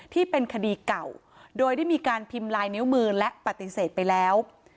ที่เป็นคดีเก่าโดยได้มีการพิมพ์ลายนิ้วมือและปฏิเสธไปแล้ว